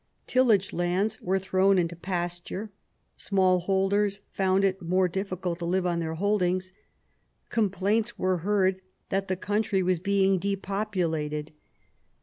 Tillage lands were thrown into pasture; small holders found it more difficult to live on their holdings; complaints were heard that the country was being depopulated.